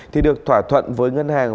thì được thỏa thuận với ngân hàng